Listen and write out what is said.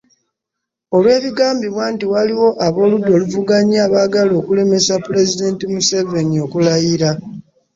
Olw'ebigambibwa nti waliwo ab'oludda oluvuganya abaagala okulemesa Pulezidenti Museveni okulayira.